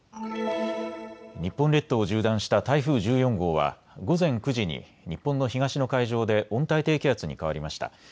日本列島を縦断した台風１４号は午前９時に日本の東の海上で温帯低気圧に変わりました。